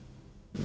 dia udah berangkat